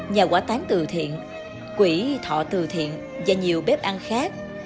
nhà quả tán từ thiện quỹ thọ từ thiện và nhiều bếp ăn khác